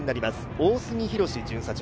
大杉寛巡査長。